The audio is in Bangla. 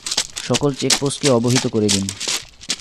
সকল চেকপোস্টকে অবহিত করে দিন।